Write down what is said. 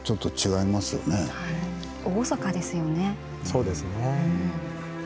そうですね。